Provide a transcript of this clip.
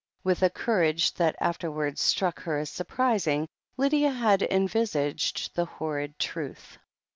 With a cour age that afterwards struck her as surprising, Lydia had envisaged the horrid truth.